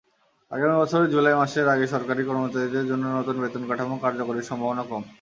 আগামী বছরের জুলাই মাসের আগে সরকারি কর্মচারীদের জন্য নতুন বেতনকাঠামো কার্যকরের সম্ভাবনা কম।